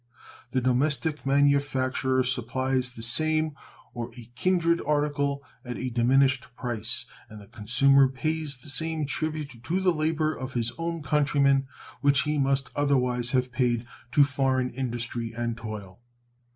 The domestic manufacturer supplies the same or a kindred article at a diminished price, and the consumer pays the same tribute to the labor of his own country man which he must otherwise have paid to foreign industry and toil.